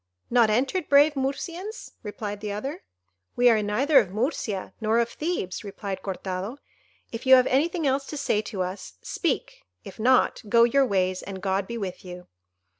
not entered, brave Murcians?" replied the other. "We are neither of Murcia nor of Thebes," replied Cortado. "If you have anything else to say to us, speak; if not, go your ways, and God be with you."